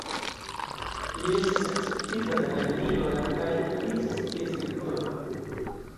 Li estis akceptita de Akademio la kaj fariĝis ties rektoro.